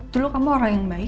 dulu kamu orang yang baik